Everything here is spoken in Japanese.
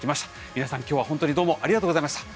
皆さん今日は本当にどうもありがとうございました。